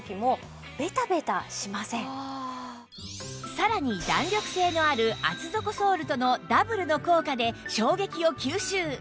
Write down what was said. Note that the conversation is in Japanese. さらに弾力性のある厚底ソールとのダブルの効果で衝撃を吸収！